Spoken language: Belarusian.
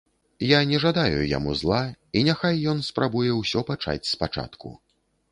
Я не жадаю яму зла, і няхай ён спрабуе ўсё пачаць спачатку.